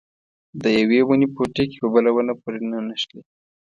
د یوې ونې پوټکي په بله ونه پورې نه نښلي.